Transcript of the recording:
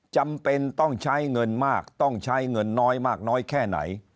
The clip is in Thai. จำเป็นต้องใช้เงินมากต้องใช้เงินน้อยมากน้อยแค่ไหน